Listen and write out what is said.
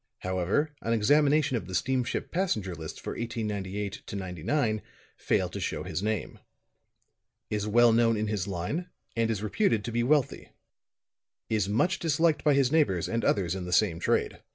However, an examination of the steamship passenger lists for 1898 99 fail to show his name. "Is well known in his line and is reputed to be wealthy. Is much disliked by his neighbors and others in the same trade.